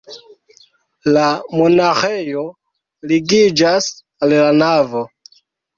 La monaĥejo ligiĝas al la navo.